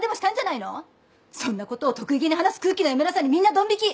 そんなことを得意げに話す空気の読めなさにみんなどん引き。